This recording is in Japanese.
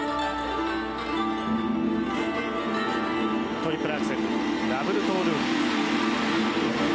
トリプルアクセルダブルトウループ。